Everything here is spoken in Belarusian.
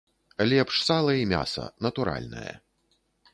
Лепш сала і мяса, натуральнае.